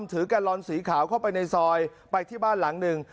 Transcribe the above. แกลลอนสีขาวเข้าไปในซอยไปที่บ้านหลังหนึ่ง